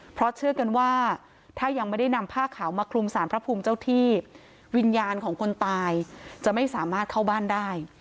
เพราะเชื่อกันว่าถ้ายังไม่ได้นำผ้าขาวมาคลุมสารพระภูมิเจ้าที่วิญญาณของคนตายจะไม่สามารถเข้าบ้านได้